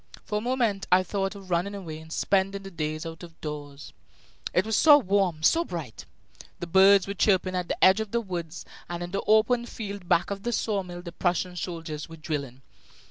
For a moment I thought of running away and spending the day out of doors. It was so warm, so bright! The birds were chirping at the edge of the woods; and in the open field back of the saw mill the Prussian soldiers were drilling.